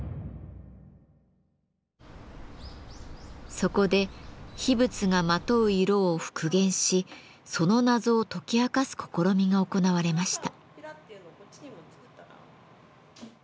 そこで秘仏がまとう色を復元しその謎を解き明かす試みが行われました。